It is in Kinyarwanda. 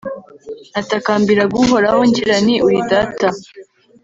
natakambiraga uhoraho, ngira nti uri data